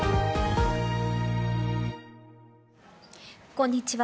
こんにちは。